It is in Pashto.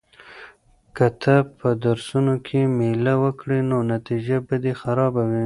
که ته په درسونو کې مېله وکړې نو نتیجه به دې خرابه وي.